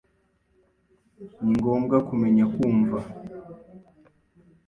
Ni ngombwa kumenya kumva.